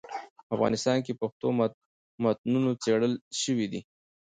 افغانستان کي پښتو متونو څېړل سوي دي.